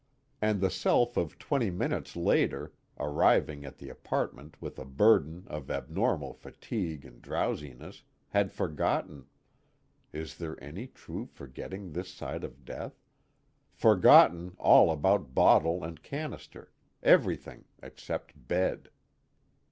_ And the self of twenty minutes later, arriving at the apartment with a burden of abnormal fatigue and drowsiness, had forgotten (is there any true forgetting this side of death?) forgotten all about bottle and canister, everything except bed.